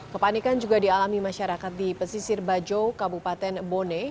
kepanikan juga dialami masyarakat di pesisir bajo kabupaten bone